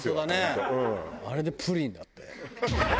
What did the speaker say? あれでプリンだって。